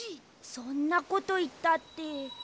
そんなこといったって。